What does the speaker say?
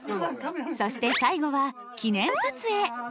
そして最後は記念撮影。